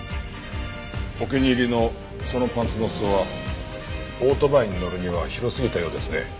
お気に入りのそのパンツの裾はオートバイに乗るには広すぎたようですね。